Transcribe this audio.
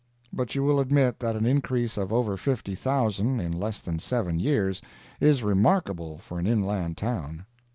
But you will admit that an increase of over fifty thousand in less than seven years is remarkable for an inland town.